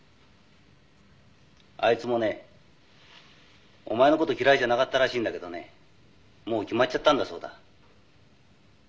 「あいつもねお前の事嫌いじゃなかったらしいんだけどねもう決まっちゃったんだそうだ」